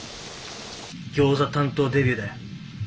「ギョーザ担当デビューだよ」。